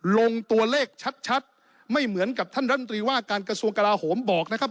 ลงตัวเลขชัดไม่เหมือนกับท่านรัฐมนตรีว่าการกระทรวงกลาโหมบอกนะครับ